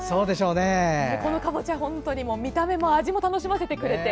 このかぼちゃ見た目も味も楽しませてくれて。